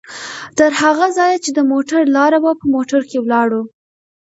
تر هغه ځایه چې د موټر لاره وه، په موټر کې ولاړو؛